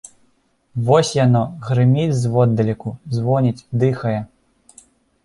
Вось яно, грыміць зводдалеку, звоніць, дыхае.